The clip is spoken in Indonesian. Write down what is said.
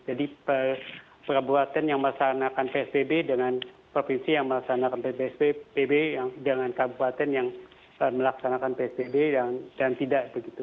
jadi kabupaten yang melaksanakan psbb dengan provinsi yang melaksanakan psbb dengan kabupaten yang melaksanakan psbb dan tidak